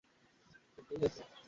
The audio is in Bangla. সে সবসময় পুরো কাজ শেষ করতে পারেনা।